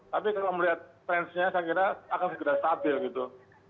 tapi kalau melihat trendnya saya kira akan segera stabil gitu